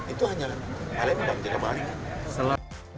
itu hanya palembang tidak mahal